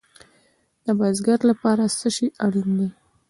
د بزګر لپاره څه شی اړین دی؟